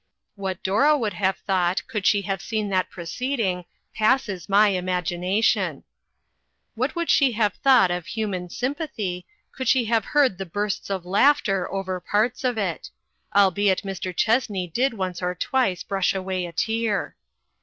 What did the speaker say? What Dora would have thought, could she have seen that proceeding, passes my imagination. What would she have thought of human sympathy, could she have heard the bursts of laughter over parts of it ; albeit Mr. Chessney did once or twice brush away a tear